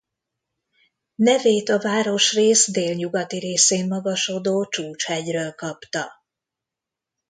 Nevét a városrész délnyugati részén magasodó Csúcs-hegyről kapta.